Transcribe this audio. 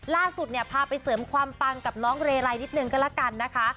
ล่าสุดเนี่ยพาไปเสริมความปังกับน้องเรไลนิดนึงก็แล้วกันนะคะ